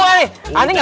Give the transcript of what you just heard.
ani gak mau enak aja